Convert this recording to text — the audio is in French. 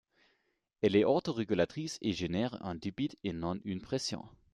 Elle est auto-régulatrice et génère un débit et non une pression.